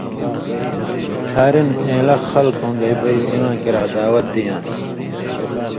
ڇھاری نہ اېن٘لہ خلکؤں گے بئ سِواں کِریا دعوت دِیان٘س۔